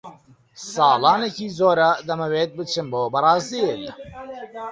ساڵانێکی زۆرە دەمەوێت بچم بۆ بەرازیل.